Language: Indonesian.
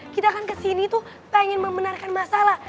kita kan kesini tuh pengen membenarkan masalah